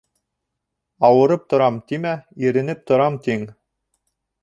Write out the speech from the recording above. «Ауырып торам» тимә, «иренеп торам» тиң.